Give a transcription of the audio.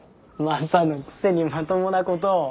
マサのくせにまともなことを。